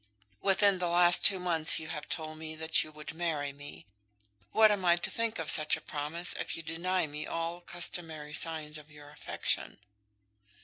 Within the last two months you have told me that you would marry me. What am I to think of such a promise if you deny me all customary signs of your affection?"